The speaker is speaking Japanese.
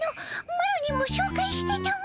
マロにもしょうかいしてたも。